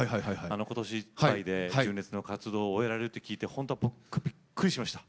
今年いっぱいで純烈の活動を終えられると聞いてほんと僕びっくりしました。